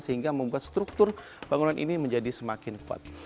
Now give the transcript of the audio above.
sehingga membuat struktur bangunan ini menjadi semakin kuat